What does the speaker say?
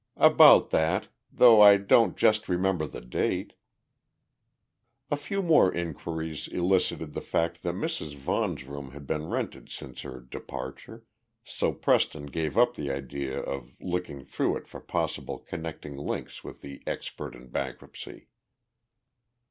"About that though I don't just remember the date." A few more inquiries elicited the fact that Mrs. Vaughan's room had been rented since her departure, so Preston gave up the idea of looking through it for possible connecting links with the expert in bankruptcy.